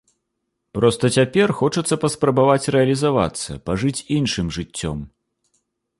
Проста цяпер хочацца паспрабаваць рэалізавацца, пажыць іншым жыццём.